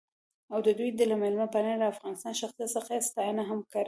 او د دوي له میلمه پالنې ،افغانيت ،شخصیت څخه يې ستاينه هم کړې.